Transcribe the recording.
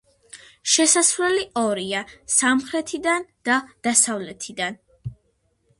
შესასვლელი ორია: სამხრეთიდან და დასავლეთიდან.